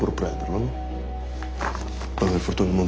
うん？